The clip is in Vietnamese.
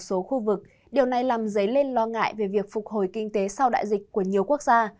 ở số khu vực điều này làm dấy lên lo ngại về việc phục hồi kinh tế sau đại dịch của nhiều quốc gia